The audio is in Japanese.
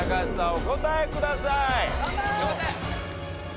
お答えください。